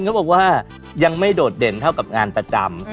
เขาบอกว่ายังไม่โดดเด่นเท่ากับงานประจำ